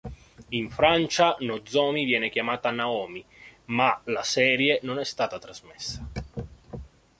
In Francia Nozomi viene chiamata Naomi, ma la serie non è stata trasmessa.